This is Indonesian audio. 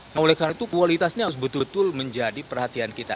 nah oleh karena itu kualitasnya harus betul betul menjadi perhatian kita